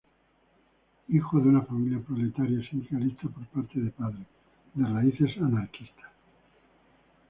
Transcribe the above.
Hijo de una familia proletaria sindicalista por parte de padre, de raíces anarquista.